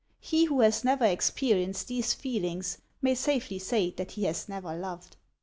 He who has never experienced these feelings may safely say that he has never loved.